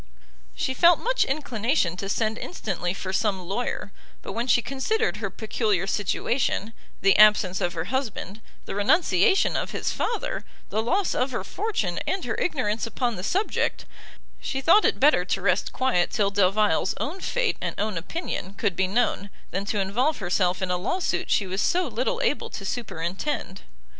She felt much inclination to send instantly for some lawyer; but when she considered her peculiar situation, the absence of her husband, the renunciation of his father, the loss of her fortune, and her ignorance upon the subject, she thought it better to rest quiet till Delvile's own fate, and own opinion could be known, than to involve herself in a lawsuit she was so little able to superintend.